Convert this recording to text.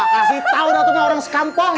kasih tau ratunya orang sekampung